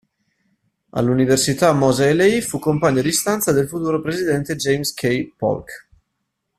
A'università Moseley fu compagno di stanza del futuro presidente James K. Polk.